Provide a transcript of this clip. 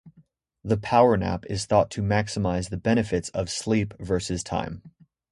The power nap is thought to maximize the benefits of sleep versus time.